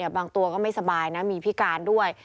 บางตัวก็ไม่สบายนะมีพิการด้วย